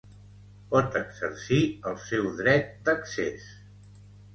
pot exercir el seu dret d'accés